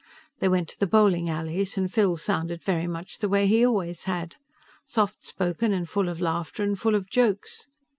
They went to the bowling alleys, and Phil sounded very much the way he always had soft spoken and full of laughter and full of jokes.